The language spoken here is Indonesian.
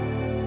aku mau balik